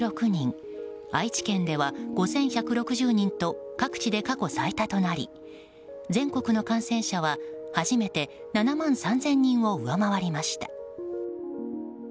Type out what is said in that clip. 愛知県では５１６０人と各地で過去最多となり全国の感染者は初めて７万３０００人を上回りました。